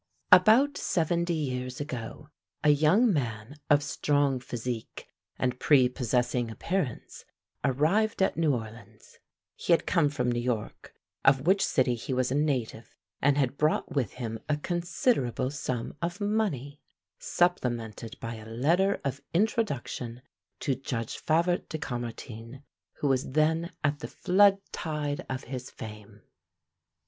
About seventy years ago a young man of strong physique and prepossessing appearance arrived at New Orleans. He had come from New York, of which city he was a native, and had brought with him a considerable sum of money, supplemented by a letter of introduction to Judge Favart de Caumartin, who was then at the flood tide of his fame.